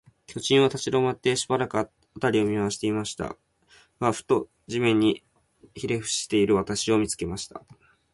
巨人は立ちどまって、しばらく、あたりを見まわしていましたが、ふと、地面にひれふしている私を、見つけました。